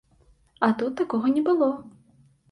А тут такога не было.